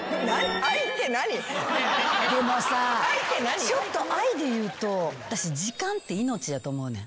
でもさちょっと「愛」でいうと私時間って命やと思うねん。